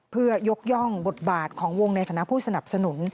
เพื่อยกย่องบทบาทของวงในฐานะผู้สนับสนุน